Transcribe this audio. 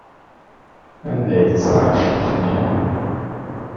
Anda ay teẓra aqcic-nni?